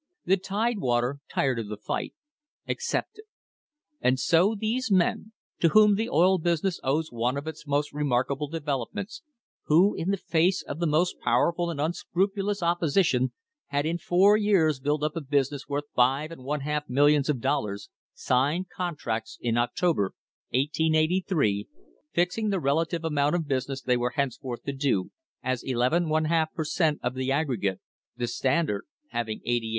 The Tidewater, tired of the fight, accepted. And so these men to whom the oil business owes one of its most remark able developments, who, in face of the most powerful and unscrupulous opposition, had in four years built up a business worth five and one half millions of dollars signed contracts in October, 1883, fixing the relative amount of business they were henceforth to do as n l /2 per cent, of the aggregate, the Standard having 88^ per cent.